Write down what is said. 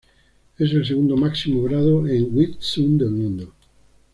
Es el segundo máximo grado en Wing Tsun del mundo.